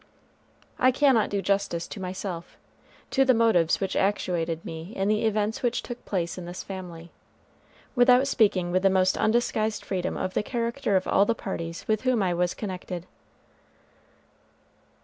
I cannot do justice to myself, to the motives which actuated me in the events which took place in this family, without speaking with the most undisguised freedom of the character of all the parties with whom I was connected.